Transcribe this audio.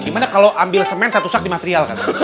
gimana kalau ambil semen satu sak di material